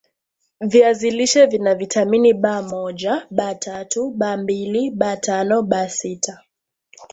viazi lishe vina vitamini B moja B tatu Bmbili B tano B sita